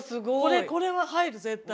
これこれは入る絶対。